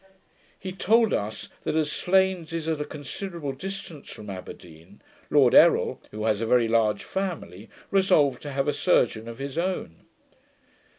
He told us, that, as Slains is at a considerable distance from Aberdeen, Lord Errol, who has a very large family, resolved to have a surgeon of his own.